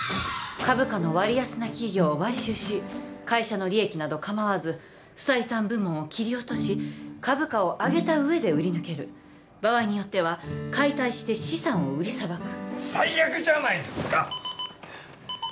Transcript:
株価の割安な企業を買収し会社の利益など構わず不採算部門を切り落とし株価を上げた上で売り抜ける場合によっては解体して資産を売りさばく最悪じゃないですか！